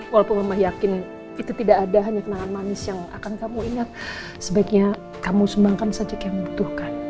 walaupun mama yakin itu tidak ada hanya kenangan manis yang akan kamu ingat sebaiknya kamu sembangkan saja yang membutuhkan